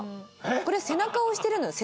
これ背中を押してるのよ